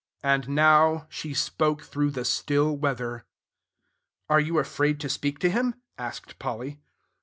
"And now She spoke through the still weather." "Are you afraid to speak to him?" asked Polly.